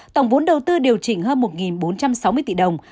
tổng vốn đầu tư điều chỉnh hơn một bốn trăm sáu mươi tỷ đồng